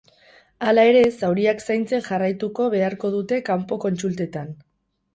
Hala ere, zauriak zaintzen jarraituko beharko dute kanpo kontsultetan.